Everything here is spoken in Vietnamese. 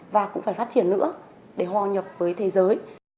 và cũng phải phát triển nữa để hòa nhập với thế giới